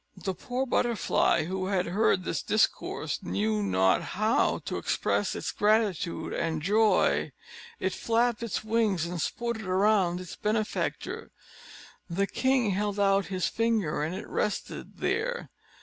The poor butterfly, who had heard this discourse, knew not how to express its gratitude and joy; it flapped its wings, and sported around its benefactor. The king held out his finger, and it rested there.